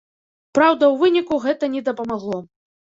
Праўда, у выніку гэта не дапамагло.